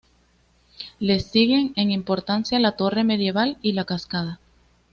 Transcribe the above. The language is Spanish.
Les siguen en importancia la Torre Medieval y la Cascada.